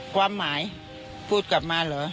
ความหมายพูดกลับมาเหรอ